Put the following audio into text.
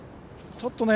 ちょっとね